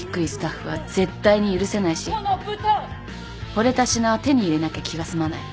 ほれた品は手に入れなきゃ気が済まない。